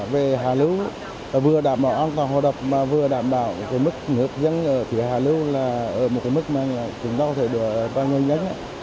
về hạ lưu vừa đảm bảo an toàn hồ đập và vừa đảm bảo mức nước dân ở phía hạ lưu là ở một mức mà chúng ta có thể đưa qua nguyên nhân